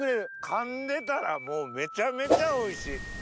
かんでたらもうめちゃめちゃおいしい！